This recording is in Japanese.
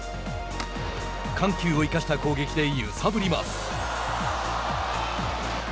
緩急を生かした攻撃で揺さぶります。